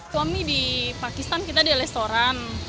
suami di pakistan kita di restoran